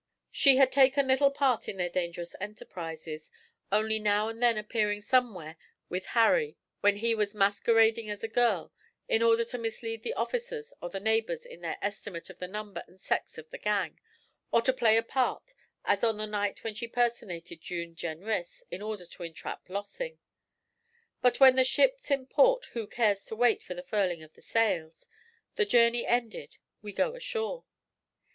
She had taken little part in their dangerous enterprises, only now and then appearing somewhere with Harry when he was masquerading as a girl, in order to mislead the officers or the neighbours in their estimate of the number and sex of the gang; or to play a part, as on the night when she personated June Jenrys in order to entrap Lossing. But when the ship's in port who cares to wait for the furling of the sails? The journey ended, we go ashore.